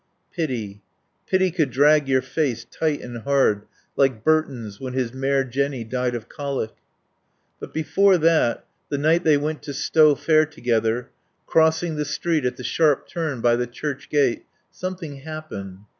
Pity. Pity could drag your face tight and hard, like Burton's when his mare, Jenny, died of colic. But before that the night they went to Stow Fair together; crossing the street at the sharp turn by the church gate, something happened.